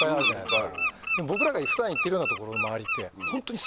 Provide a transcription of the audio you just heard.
僕らが普段行ってるような所の周りって。